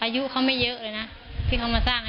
อยู่แค่๒๕อีก